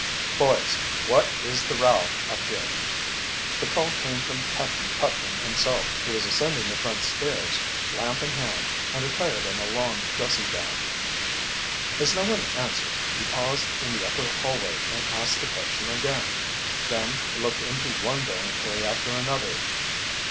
"Boys, what is the row up here?" The call came from Captain Putnam himself. He was ascending the front stairs, lamp in hand, and attired in a long dressing gown. As no one answered, he paused in the upper hallway and asked the question again. Then he looked into one dormitory after another.